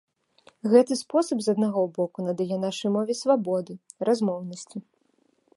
Гэты спосаб з аднаго боку надае нашай мове свабоды, размоўнасці.